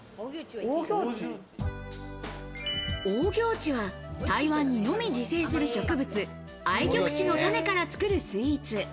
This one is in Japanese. オーギョーチは、台湾にのみ自生する植物、愛玉子の種から作るスイーツ。